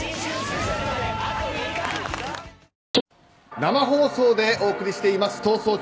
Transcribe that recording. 生放送でお送りしています「逃走中」。